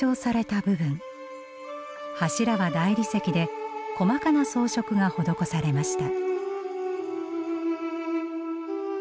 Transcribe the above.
柱は大理石で細かな装飾が施されました。